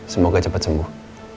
semoga cepat sembuh